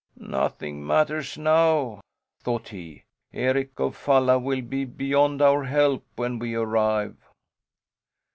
"Nothing matters now," thought he. "Eric of Falla will be beyond our help when we arrive."